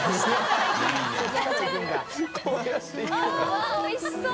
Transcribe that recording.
わっおいしそう！